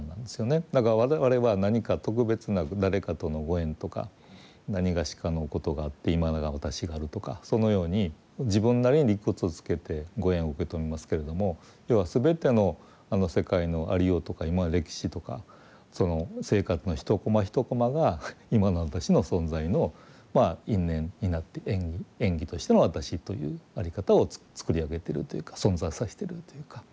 だから我々は何か特別な誰かとのご縁とかなにがしかのことがあって今の私があるとかそのように自分なりに理屈つけてご縁を受け止めますけれども要は全ての世界のありようとか歴史とか生活の１コマ１コマが今の私の存在の因縁になって縁起としての私という在り方をつくり上げているというか存在させているというか。